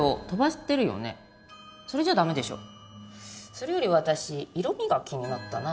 それより私色味が気になったな。